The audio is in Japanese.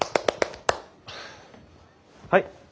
はい。